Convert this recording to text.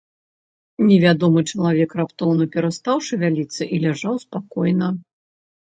Невядомы чалавек раптоўна перастаў шавяліцца і ляжаў спакойна.